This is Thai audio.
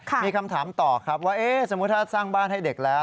มีคำถามต่อครับว่าสมมุติถ้าสร้างบ้านให้เด็กแล้ว